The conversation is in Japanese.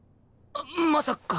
まさか